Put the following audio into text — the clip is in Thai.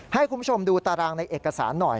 ให้คุณผู้ชมดูตารางในเอกสารหน่อย